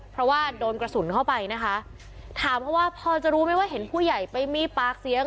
เพราะว่าโดนกระสุนเข้าไปนะคะถามเขาว่าพอจะรู้ไหมว่าเห็นผู้ใหญ่ไปมีปากเสียง